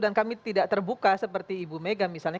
dan kami tidak terbuka seperti ibu mega misalnya